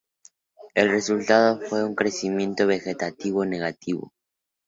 El resultado fue un crecimiento vegetativo negativo.